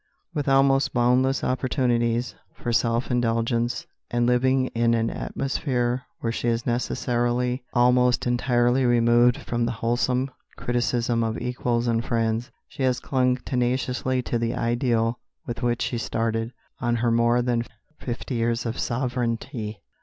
With almost boundless opportunities for self indulgence, and living in an atmosphere where she is necessarily almost entirely removed from the wholesome criticism of equals and friends, she has clung tenaciously to the ideal with which she started on her more than fifty years of sovereignty.